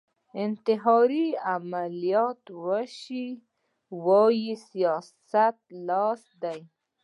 انتحاري عملیات وشي وايي سیاست لاس دی